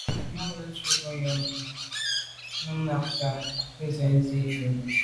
Miaglo tù’ ngom am me nô num mata nke nzi neshu.